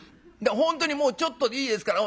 本当にもうちょっとでいいですから。